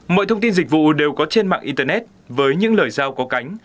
mọi thông tin dịch vụ đều có trên mạng internet với những lời giao có cánh